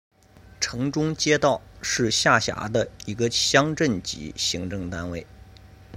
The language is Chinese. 城中街道是下辖的一个乡镇级行政单位。